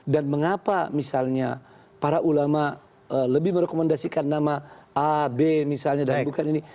dan mengapa misalnya para ulama lebih merekomendasikan nama a b misalnya dan bukan ini